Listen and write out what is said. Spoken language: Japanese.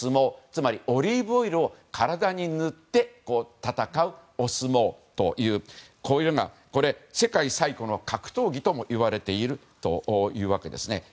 つまりオリーブオイルを体に塗って戦うお相撲というこういうような世界最古の格闘技ともいわれているわけですね。